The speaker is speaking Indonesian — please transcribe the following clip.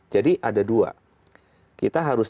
jadi ada dua kita harus